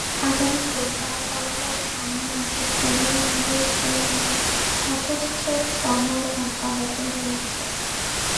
আগামী রোববার গণভোট সামনে রেখে ক্রিমিয়ায় রুশ সেনাদের সশস্ত্র টহল অব্যাহত রয়েছে।